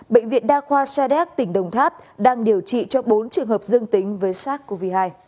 bệnh viện đa khoa sa đéc tỉnh đồng tháp đang điều trị cho bốn trường hợp dương tính với sars cov hai